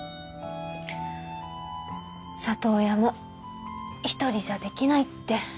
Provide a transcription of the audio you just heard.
里親も一人じゃできないって